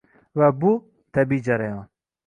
va bu — tabiiy jarayon.